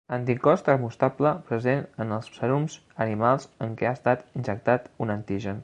Anticòs termoestable present en els sèrums animals en què ha estat injectat un antigen.